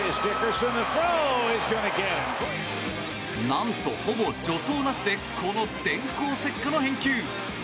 何と、ほぼ助走なしでこの電光石火の返球！